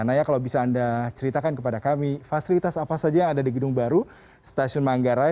naya kalau bisa anda ceritakan kepada kami fasilitas apa saja yang ada di gedung baru stasiun manggarai